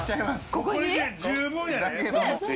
これで十分やで。